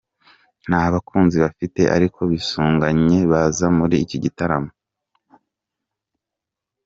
Nta bakunzi bafite ariko bisunganye baza muri iki gitaramo